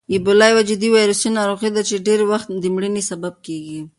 اېبولا یوه جدي ویروسي ناروغي ده چې ډېری وخت د مړینې سبب کېږي.